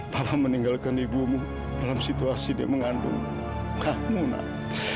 papa meninggalkan ibumu dalam situasi dia mengandung kamu nak